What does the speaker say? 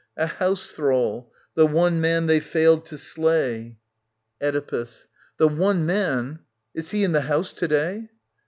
A house thrall, the one man they failed to slay. Oedipus. The one man ...? Is he in the house to day